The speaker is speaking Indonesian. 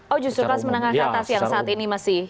oh justru kelas menengah ke atas yang saat ini masih